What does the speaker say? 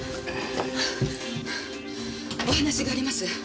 お話があります。